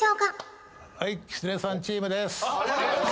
はいきつねさんチームです